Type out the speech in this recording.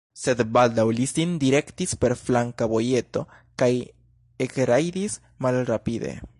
Sed baldaŭ li sin direktis per flanka vojeto kaj ekrajdis malrapide.